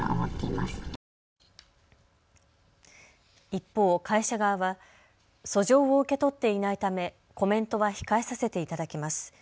一方、会社側は訴状を受け取っていないためコメントは控えさせていただきます。